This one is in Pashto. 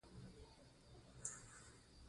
تالابونه د افغانستان د زرغونتیا نښه ده.